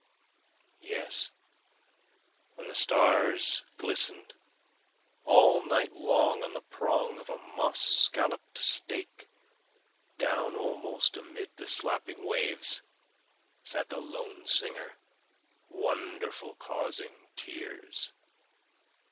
Yes, when the stars glisten'd, All night long on the prong of a moss scallop'd stake, Down almost amid the slapping waves, Sat the lone singer wonderful causing tears.